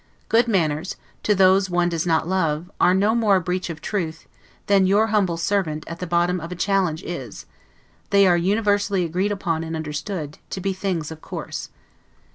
Good manners, to those one does not love, are no more a breach of truth, than "your humble servant" at the bottom of a challenge is; they are universally agreed upon and understood, to be things of course.